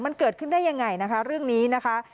มันเกิดขึ้นได้ยังไงนะคะเรื่องนี้นะคะ